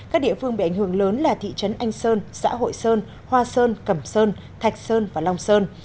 các địa phương bị ảnh hưởng lớn là thị trấn anh sơn xã hội sơn hoa sơn cẩm sơn thạch sơn và long sơn